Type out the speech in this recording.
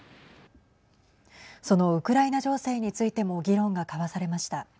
そのウクライナ情勢についても議論が交わされました。